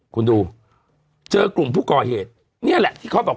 คุณดูเจอกลุ่มผู้ก่อเหตุนี่แหละที่เขาบอก